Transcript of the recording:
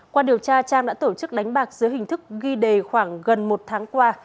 qua điều tra trang đã tổ chức đánh bạc dưới hình thức ghi đề khoảng gần một tháng qua